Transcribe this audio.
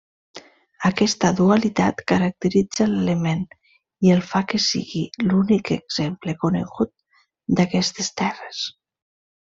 Aquesta dualitat caracteritza l'element i el fa que sigui l'únic exemple conegut d'aquestes terres.